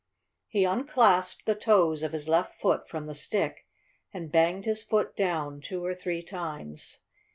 He unclasped the toes of his left foot from the stick and banged his foot down two or three times.